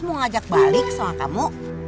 mau ngajak balik sama kamu